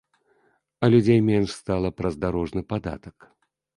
А людзей менш стала праз дарожны падатак.